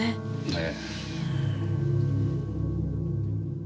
ええ。